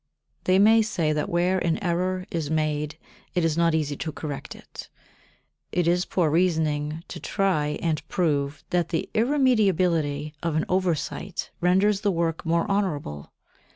They may say that where an error is made it is not easy to correct it. It is poor reasoning to try and prove that the irremediability of an oversight renders the work more honourable.